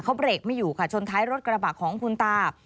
เขาเบรกไม่อยู่ค่ะชนท้ายรถกระบะของคุณตา